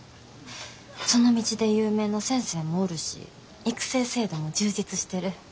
その道で有名な先生もおるし育成制度も充実してる。